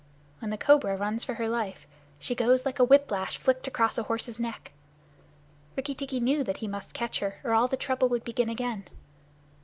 When the cobra runs for her life, she goes like a whip lash flicked across a horse's neck. Rikki tikki knew that he must catch her, or all the trouble would begin again.